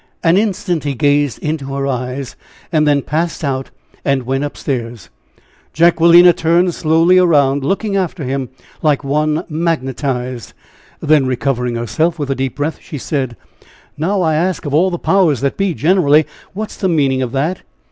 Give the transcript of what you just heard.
An instant he gazed into her eyes, and then passed out and went up stairs. Jacquelina turned slowly around, looking after him like one magnetized. Then recovering herself, with a deep breath she said: "Now I ask of all the 'powers that be' generally, what's the meaning of that?